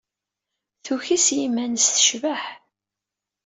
Tuki s yiman-nnes tecbeḥ.